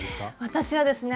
私はですね